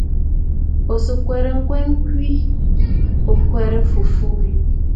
Ò sɨ̀ kwarə̀ ŋ̀kwɛɛ kwɛɛ, ò kwarə̀ m̀fu fu?